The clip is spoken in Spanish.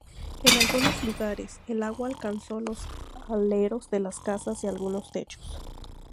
En algunos lugares, el agua alcanzó los aleros de las casas y algunos techos.